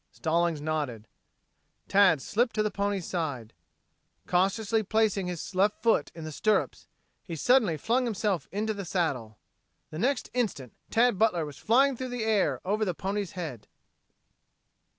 Stallings nodded. Tad slipped to the pony's side. Cautiously placing his left foot in the stirrups, he suddenly flung himself into the saddle. The next instant Tad Butler was flying through the air over the pony's head.